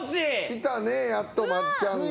きたねやっと松ちゃんが。